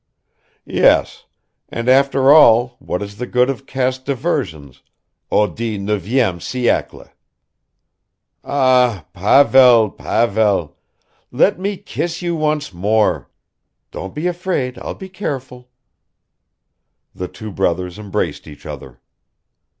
Yes, and after all what is the good of caste divisions au dix neuvième siècle?" "Ah, Pavel, Pavel! let me kiss you once more! Don't be afraid, I'll be careful." The brothers embraced each other.